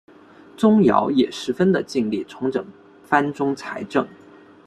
宗尧也十分的尽力重整藩中财政。